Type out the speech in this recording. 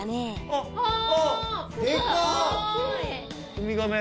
ウミガメ。